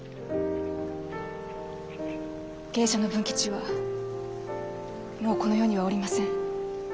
芸者の文吉はもうこの世にはおりません。